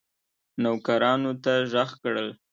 نوکرانو ته ږغ کړل.